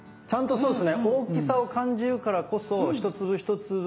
そうです。